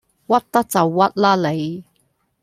屈得就屈啦你